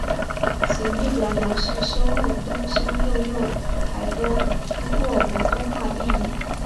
此列表示收录东森幼幼台播出过的动画电影。